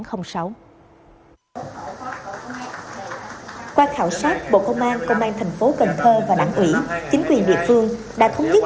qua khảo sát bộ công an công an thành phố cần thơ và đảng ủy chính quyền địa phương đã thống nhất